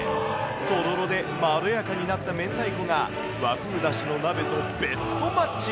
とろろでまろやかになった明太子が、和風だしの鍋とベストマッチ。